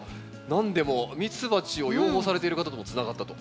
なんでもミツバチを養蜂されている方ともつながったと。